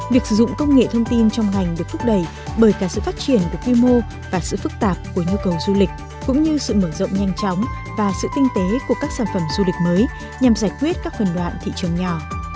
việc sử dụng công nghệ thông tin trong ngành được thúc đẩy bởi cả sự phát triển của quy mô và sự phức tạp của nhu cầu du lịch cũng như sự mở rộng nhanh chóng và sự tinh tế của các sản phẩm du lịch mới nhằm giải quyết các phần đoạn thị trường nhỏ